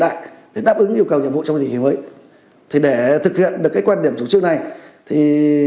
đại để đáp ứng yêu cầu nhiệm vụ trong gì mới thì để thực hiện được các quan điểm chủ trương này thì